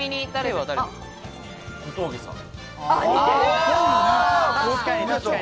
小峠さん。